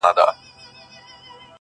د مطرب د زړه بړاس نغمه نغمه سي،